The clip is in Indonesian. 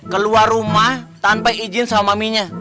keluar rumah tanpa izin sama maminya